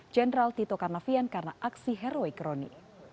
jenderal tito karnavian karena aksi heroik roni